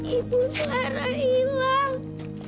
ibu selera hilang